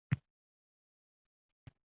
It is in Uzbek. Dadam o‘ta ziyoli edi.